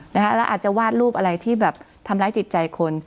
แล้วอาจจะวาดรูปอะไรที่แบบทำร้ายจิตใจคน